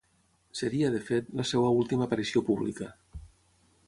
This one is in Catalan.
Seria, de fet, la seva última aparició pública.